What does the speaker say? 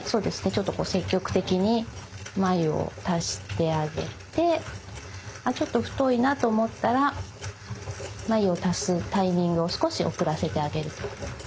ちょっとこう積極的に繭を足してあげてあちょっと太いなと思ったら繭を足すタイミングを少し遅らせてあげる。